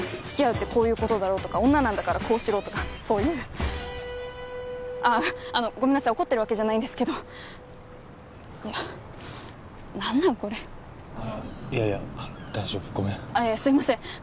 付き合うってこういうことだろうとか女なんだからこうしろとかそういうあああのごめんなさい怒ってるわけじゃないんですけどいや何なんこれあっいやいや大丈夫ごめんすいません